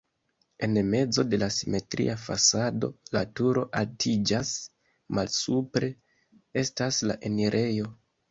En mezo de la simetria fasado la turo altiĝas, malsupre estas la enirejo.